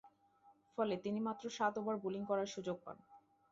ফলে, তিনি মাত্র সাত ওভার বোলিং করার সুযোগ পান।